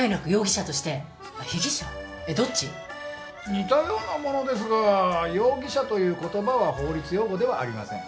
似たようなものですが容疑者という言葉は法律用語ではありません。